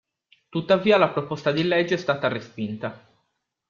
Tuttavia la proposta di legge è stata respinta.